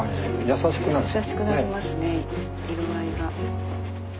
やさしくなりますね色合いが。